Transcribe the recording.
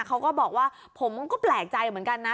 เขาก็บอกว่าผมก็แปลกใจเหมือนกันนะ